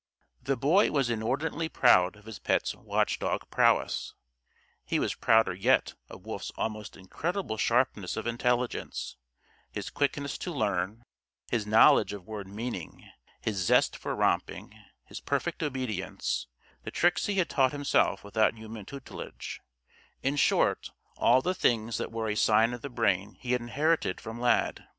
The Boy was inordinately proud of his pet's watchdog prowess. He was prouder yet of Wolf's almost incredible sharpness of intelligence, his quickness to learn, his knowledge of word meaning, his zest for romping, his perfect obedience, the tricks he had taught himself without human tutelage in short, all the things that were a sign of the brain he had inherited from Lad.